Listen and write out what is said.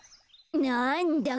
なんだ。